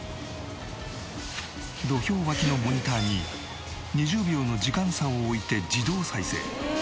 土俵脇のモニターに２０秒の時間差を置いて自動再生。